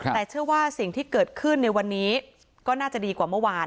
แต่เชื่อว่าสิ่งที่เกิดขึ้นในวันนี้ก็น่าจะดีกว่าเมื่อวาน